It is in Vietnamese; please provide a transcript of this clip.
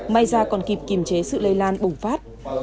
may ra còn kịp kiềm chế sự lây lan bùng phát